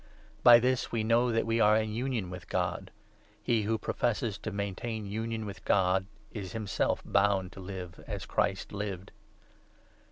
By this we know that we are in union with God — He who professes to maintain union with God is himself 6 bound to live as Christ lived.